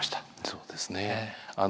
そうですね。